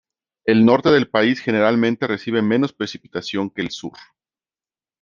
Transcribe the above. El norte del país generalmente recibe menos precipitación que el sur.